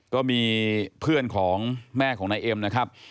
ก็มีเพื่อนของแม่ของนายเอ็มนะครับ